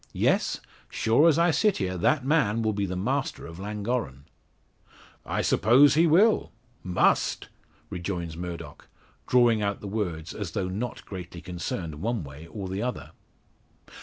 Yes; sure as I sit here that man will be the master of Llangorren." "I suppose he will;" "must," rejoins Murdock, drawing out the words as though not greatly concerned, one way, or the other.